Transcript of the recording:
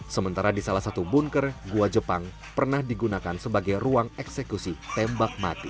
sementara di salah satu bunker goa jepang pernah digunakan sebagai ruang eksekusi tembak mati